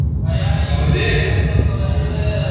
د شهیدانو شمېر معلوم نه دی !.